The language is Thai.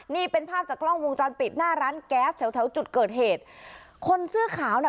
นี่เป็นภาพจากกล้องวงจรปิดหน้าร้านแก๊สแถวแถวจุดเกิดเหตุคนเสื้อขาวน่ะ